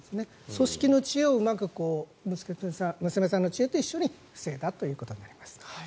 組織の知恵をうまく娘さんの知恵と一緒に防げたということになります。